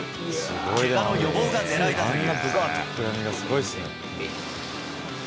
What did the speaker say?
けがの予防がねらいだという。